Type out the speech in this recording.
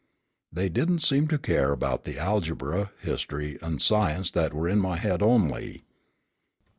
They didn't seem to care about the algebra, history, and science that were in my head only.